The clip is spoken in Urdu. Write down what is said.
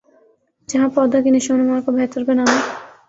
جہاں پودوں کی نشوونما کو بہتر بنانے